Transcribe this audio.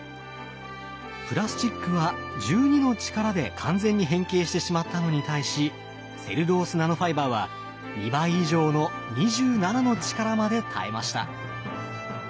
プラスチックは１２の力で完全に変形してしまったのに対しセルロースナノファイバーは２倍以上の２７の力まで耐えました。